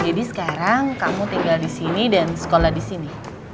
jadi sekarang kamu tinggal di sini dan sekolah di sini